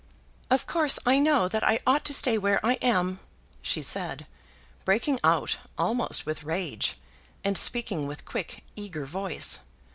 "Of course I know that I ought to stay where I am," she said, breaking out, almost with rage, and speaking with quick, eager voice.